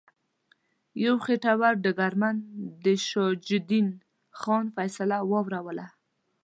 یو خیټور ډګرمن د شجاع الدین خان فیصله واوروله.